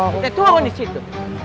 kita tuang disitu